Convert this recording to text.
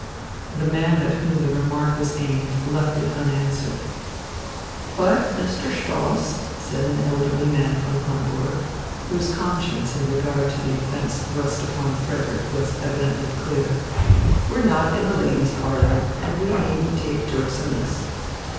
The man at whom the remark was aimed left it unanswered. "But, Mr. Stoss," said an elderly man from Hamburg, whose conscience in regard to the offence thrust upon Frederick was evidently clear, "we're not in a ladies' parlour, and we needn't take jokes amiss."